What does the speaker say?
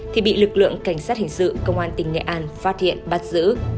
thì bị lực lượng cảnh sát hình sự công an tỉnh nghệ an phát hiện bắt giữ